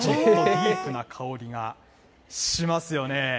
ディープな香りがしますよね。